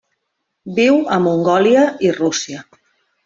Viu a Mongòlia i Rússia.